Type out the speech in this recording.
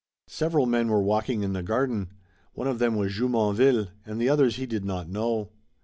Several men were walking in the garden. One of them was Jumonville, and the others he did not know.